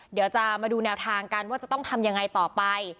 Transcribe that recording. เดี๋ยวจะมาดูแนวทางกันว่าจะต้องทำยังไงต่อไป